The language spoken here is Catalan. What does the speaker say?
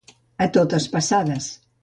A totes passades.